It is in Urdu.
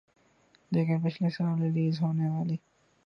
لیکن پچھلے سال ریلیز ہونے والی